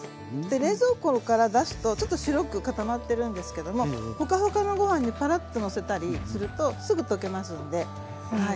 冷蔵庫から出すとちょっと白く固まってるんですけどもホカホカのご飯にパラッとのせたりするとすぐとけますのではい。